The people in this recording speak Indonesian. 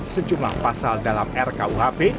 sejumlah pasal dalam rkuhp